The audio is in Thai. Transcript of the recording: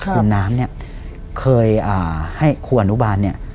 คุณน้ำเนี่ยเคยให้ครูอนุบาลเนี่ย